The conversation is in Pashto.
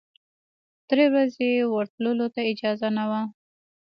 درې ورځې ورتللو ته اجازه نه وه.